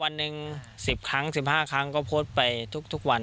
วันหนึ่ง๑๐ครั้ง๑๕ครั้งก็โพสต์ไปทุกวัน